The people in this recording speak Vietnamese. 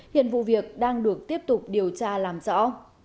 hiện vụ việc đang được tiếp tục điều tra làm rõ